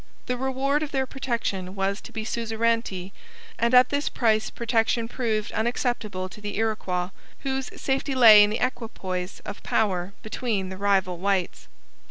The reward of their protection was to be suzerainty, and at this price protection proved unacceptable to the Iroquois, whose safety lay in the equipoise of power between the rival whites.